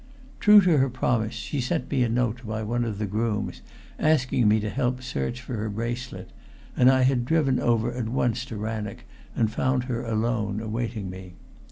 True to her promise, she had sent me a note by one of the grooms asking me to help search for her bracelet, and I had driven over at once to Rannoch and found her alone awaiting me.